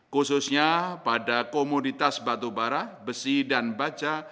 khususnya pada komoditas batubara besi dan baja